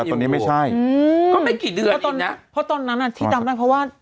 แต่ตอนนี้ไม่ใช่อืมก็ไม่กี่เดือนอีกนะเพราะตอนนั้นน่ะที่จำได้เพราะว่า